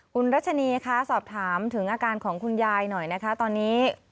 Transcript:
คุณรัชนีคะสอบถามถึงอาการของคุณยายหน่อยนะคะตอนนี้